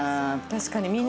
確かに。